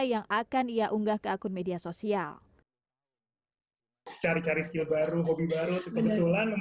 yang akan ia unggah ke akun media sosial cari cari skill baru hobi baru itu kebetulan